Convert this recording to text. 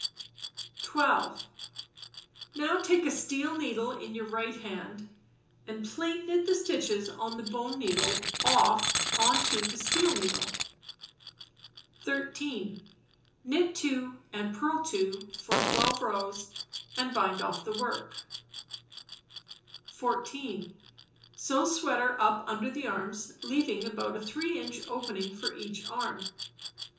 12. Now take a steel needle in your right hand, and plain knit the stitches on the bone needle off on to the steel needle. 13. Knit 2 and purl 2 for 12 rows and bind off the work. 14. Sew sweater up under the arms, leaving about a 3 inch opening for each arm.